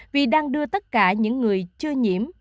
vì đang đưa tất cả những người chưa nhiễm